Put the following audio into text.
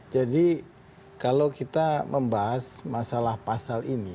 jadi kalau kita membahas masalah pasal ini